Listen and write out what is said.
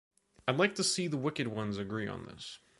I’d like to see the wicked ones agree on this.